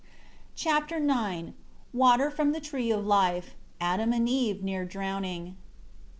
Chapter IX Water from the Tree of Life. Adam and Eve near drowning.